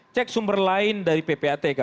cek sumber lain dari ppatk